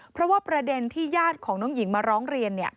เพราะว่าประเด็นที่ญาติของน้องหญิงมาร้องเรียน